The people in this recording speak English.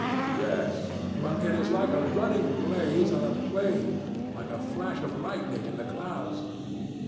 Yes; but it is like a running blaze on a plain, like a flash of lightning in the clouds.